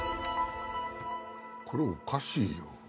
これおかしいよ。